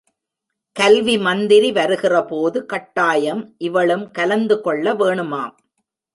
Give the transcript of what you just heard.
கல்வி மந்திரி வருகிற போது காட்டாயம் இவளும் கலந்து கொள்ள வேணுமாம்.